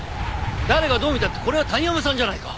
誰がどう見たってこれは谷浜さんじゃないか。